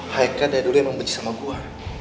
heike dari dulu emang benci sama gue